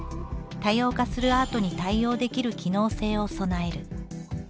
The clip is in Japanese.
多様化するアートに対応できる機能性を備える。